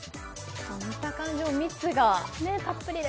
見た感じも蜜がたっぷりで。